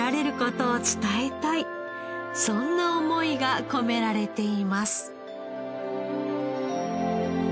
そんな思いが込められています。